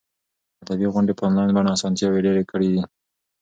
ادبي غونډې په انلاین بڼه اسانتیاوې ډېرې کړي دي.